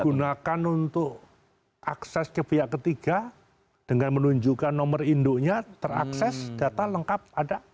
gunakan untuk akses ke pihak ketiga dengan menunjukkan nomor induknya terakses data lengkap ada